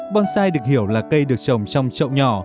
bonsai được hiểu là cây được trồng trong trậu nhỏ